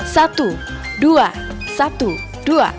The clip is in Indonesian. satu dua satu dua